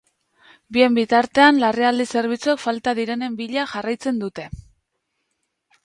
Bien bitartean, larrialdi zerbitzuek falta direnen bila jarraitzen dute.